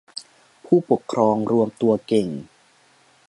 ผู้ปกครองรวมตัวเก่ง